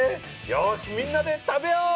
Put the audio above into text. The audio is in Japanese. よしみんなで食べよう！